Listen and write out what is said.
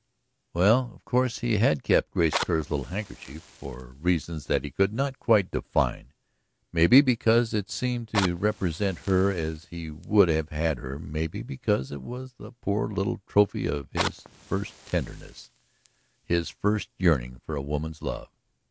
Well, of course he had kept Grace Kerr's little handkerchief, for reasons that he could not quite define. Maybe because it seemed to represent her as he would have had her; maybe because it was the poor little trophy of his first tenderness, his first yearning for a woman's love.